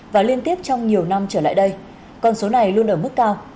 và liên tiếp trong nhiều năm trở lại đây con số này luôn ở mức cao